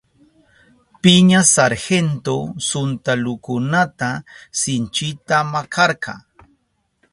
Piña sargento suntalukunata sinchita makarka.